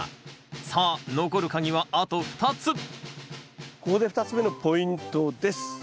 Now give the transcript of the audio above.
さあ残る鍵はあと２つここで２つ目のポイントです。